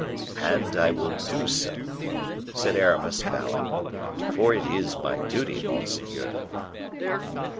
"And I will do so," said Aramis, bowing; "for it is my duty, monseigneur."